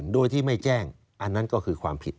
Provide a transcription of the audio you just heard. โดยที่ไม่แจ้งอันนั้นก็คือความผิด